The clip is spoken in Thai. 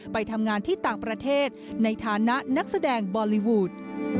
ไปทำงานที่ต่างประเทศในฐานะนักแสดงบอลลีวูด